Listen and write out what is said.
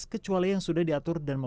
itu yang kita tindak